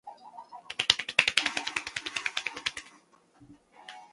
毛唇美冠兰为兰科美冠兰属下的一个种。